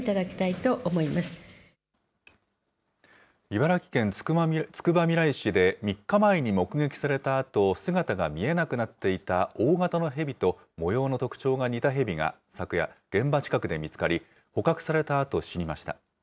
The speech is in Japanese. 茨城県つくばみらい市で、３日前に目撃されたあと、姿が見えなくなっていた大型のヘビと模様の特徴が似たヘビが昨夜、現場近くで見つかり、捕獲されたあと、死にました。